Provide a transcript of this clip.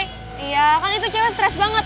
iya kan itu cewek stres banget